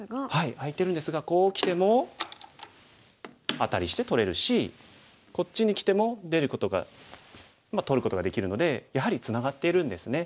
空いてるんですがこうきてもアタリして取れるしこっちにきても出ることがまあ取ることができるのでやはりツナがっているんですね。